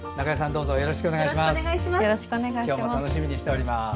よろしくお願いします。